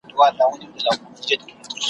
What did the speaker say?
د قرنونو توپانونو پښتانه کور ته راوړی ,